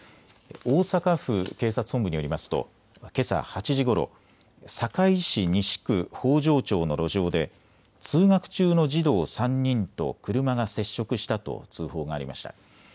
大阪府警察本部によりますとけさ８時ごろ、堺市西区北条町の路上で通学中の児童３人と車が接触したと通報がありました。